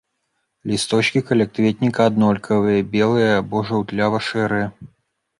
Лісточкі калякветніка аднолькавыя, белыя або жаўтлява-шэрыя.